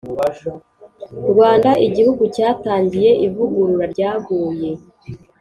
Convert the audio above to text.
Rwanda, Igihugu cyatangiye ivugurura ryaguye